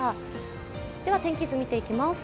天気図、見ていきます。